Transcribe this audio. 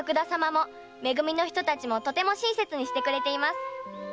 もめ組の人たちもとても親切にしてくれています。